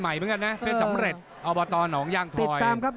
ใหม่เหมือนกันนะเพชรสำเร็จเอาบาตอหนองย่างถอยติดตามครับ